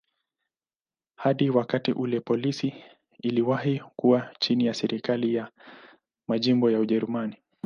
Hadi wakati ule polisi iliwahi kuwa chini ya serikali za majimbo ya Ujerumani.